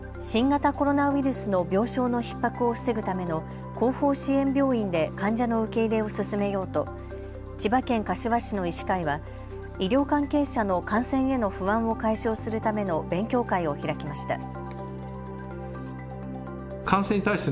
新型コロナウイルスの病床のひっ迫を防ぐための後方支援病院で患者の受け入れを進めようと千葉県柏市の医師会は医療関係者の感染への不安を解消するための勉強会を開きました。